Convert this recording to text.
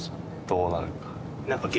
どうなるか。